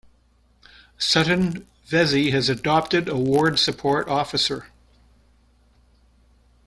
Sutton Vesey has adopted a Ward Support Officer.